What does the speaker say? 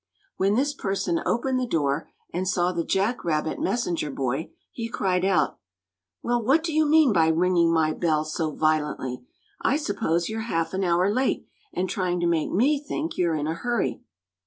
When this person opened the door and saw the Jack Rabbit messenger boy, he cried out: "Well, what do you mean by ringing my bell so violently? I suppose you're half an hour late, and trying to make me think you're in a hurry."